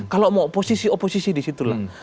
kalau mau oposisi oposisi di situlah